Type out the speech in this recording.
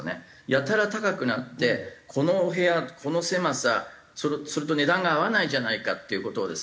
やたら高くなってこのお部屋この狭さそれと値段が合わないじゃないかっていう事をですね